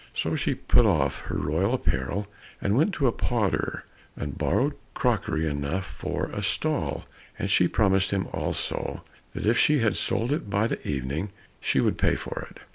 So she put off her royal apparel, and went to a potter and borrowed crockery enough for a stall, and she promised him also that if she had sold it by the evening, she would pay for it.